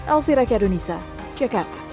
alfira khedunisa cekat